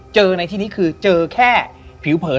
เจอในที่นี้คือเจอแค่ผิวเผิน